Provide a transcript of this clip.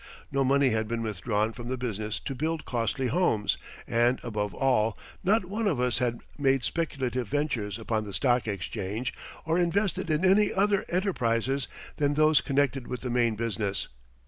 No money had been withdrawn from the business to build costly homes, and, above all, not one of us had made speculative ventures upon the stock exchange, or invested in any other enterprises than those connected with the main business.